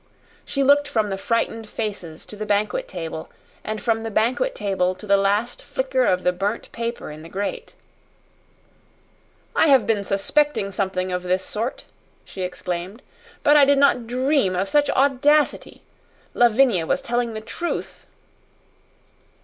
She looked from the frightened faces to the banquet table, and from the banquet table to the last flicker of the burnt paper in the grate. "I have been suspecting something of this sort," she exclaimed; "but I did not dream of such audacity. Lavinia was telling the truth."